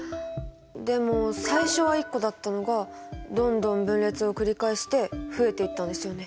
でも最初は１個だったのがどんどん分裂を繰り返して増えていったんですよね？